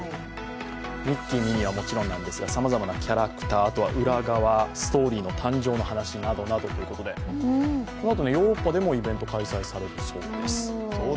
ミッキー、ミニーはもちろんなんですがさまざまなキャラクター、裏側などなどこのあとヨーロッパでもイベントが開催されるそうです。